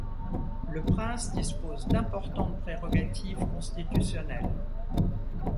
Le prince dispose d'importantes prérogatives constitutionnelles.